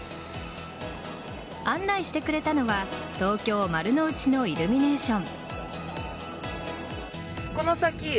案内してくれたのは東京・丸の内のイルミネーション。